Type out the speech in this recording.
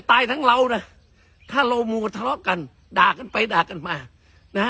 ตายทั้งเรานะถ้าเรามัวทะเลาะกันด่ากันไปด่ากันมานะฮะ